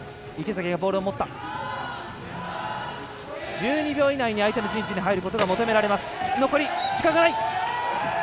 １２秒以内に相手の陣地に入ることが求められます。